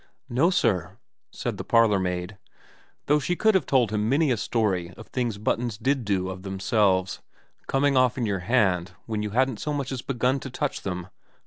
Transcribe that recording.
' No sir,' said the parlourmaid ; though she could have told him many a story of things buttons did do of themselves, coming off in your hand when you hadn't so much as begun to touch them.